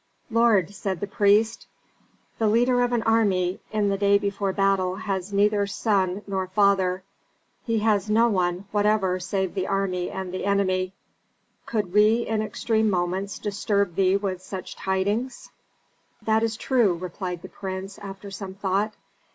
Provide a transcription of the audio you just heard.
"Lord," said the priest, "the leader of an army in the day before battle has neither son nor father; he has no one whatever save the army and the enemy. Could we in extreme moments disturb thee with such tidings?" "That is true," replied the prince, after some thought.